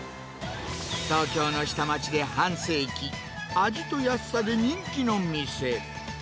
東京の下町で半世紀、味と安さで人気の店。